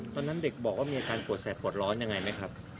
ตอนนั้นเด็กบอกว่ามีอาการปวดแสบปวดร้อนยังไงไหมครับ